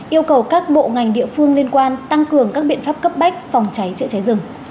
yêu cầu các bộ ngành địa phương liên quan tăng cường các biện pháp cấp bách phòng cháy chữa cháy rừng